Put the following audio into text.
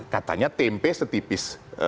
katanya tempe setipis